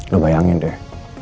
lo bayangin deh